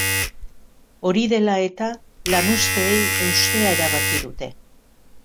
Hori dela eta, lanuzteei eustea erabaki dute.